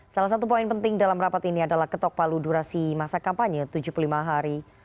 salah satu poin penting dalam rapat ini adalah ketok palu durasi masa kampanye tujuh puluh lima hari